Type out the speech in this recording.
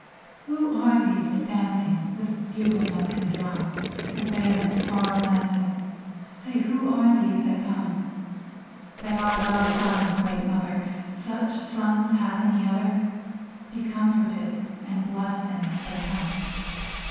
Who are these advancing With bugle note and drum. Their bayonets far glancing ? Say, who are these that come ? They are thy sons, Great Mother ! Such sons hath any other ? Be comforted, and bless them as they come